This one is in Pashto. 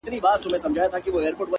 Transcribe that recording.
د عمل سرعت د خوبونو عمر کموي